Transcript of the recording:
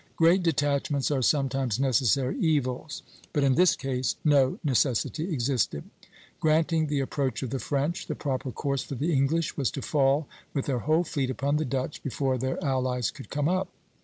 Great detachments are sometimes necessary evils, but in this case no necessity existed. Granting the approach of the French, the proper course for the English was to fall with their whole fleet upon the Dutch before their allies could come up.